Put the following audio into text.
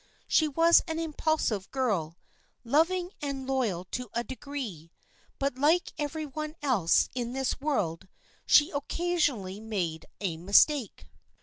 She was an impulsive girl, loving and loyal to a degree, but like every one else in this world she occasionally made a mistake.